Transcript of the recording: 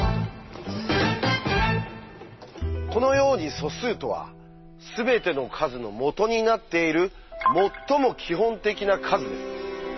このように素数とは全ての数のもとになっている「最も基本的な数」です。